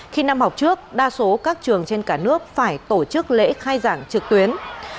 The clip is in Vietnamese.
khi năm học trước đa số các trường trên cả nước phải tổ chức lễ khai giảng trực tuyến